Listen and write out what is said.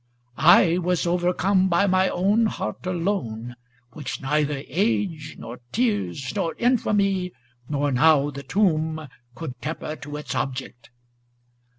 I was overcome By my own heart alone, which neither age, * Nor tears, nor infamy, nor now the tomb, Could temper to its object.'